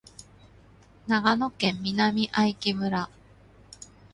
長野県南相木村